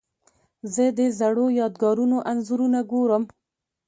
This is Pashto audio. زه د زړو یادګارونو انځورونه ګورم.